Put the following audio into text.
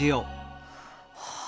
はあ。